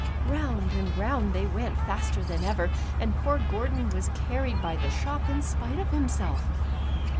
Round and round they went, faster than ever, and poor Gordon was carried by the shop in spite of himself